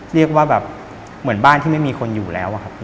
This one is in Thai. เรียกว่าเหมือนบ้านที่ไม่มีคนอยู่แล้ว